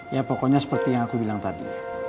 ya pokoknya seperti yang aku bilang tadi